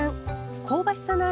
香ばしさのあるごま